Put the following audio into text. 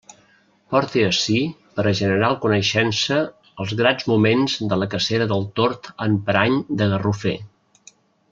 Porte ací per a general coneixença els grats moments de la cacera del tord en parany de garrofer.